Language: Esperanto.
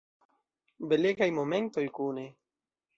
Belegaj momentoj kune.